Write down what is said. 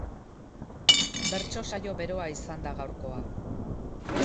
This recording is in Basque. Bertso saio beroa izan da gaurkoa